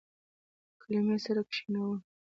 کلمې سره کښینوم